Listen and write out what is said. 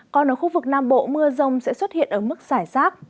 còn ở khu vực nam bộ mưa rông sẽ xuất hiện ở mức giải rác